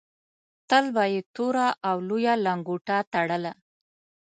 تل به یې توره او لویه لنګوټه تړله.